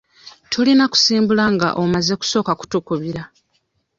Tulina kusimbula nga omaze kusooka kutukubira.